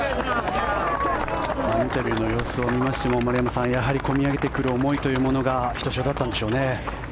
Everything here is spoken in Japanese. インタビューの様子を見ましても丸山さん、やはり込み上げてくる思いというものがひとしおだったんでしょうね。